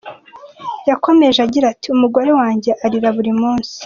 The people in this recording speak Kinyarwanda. Yakomeje agira ati "Umugore wanjye arira buri munsi.